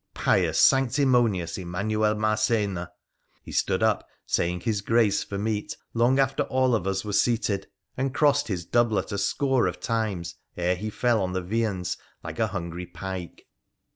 Pious, sanctimonious Emanuel Marcena ! He stood up saying his grace for meat long after all of us were seated, and crossed his doublet a score of times ere be fell on the viands like a hungry pike.